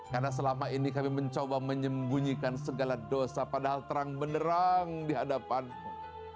karena selama ini kami mencoba menyembunyikan segala dosa padahal terang benderang di hadapanmu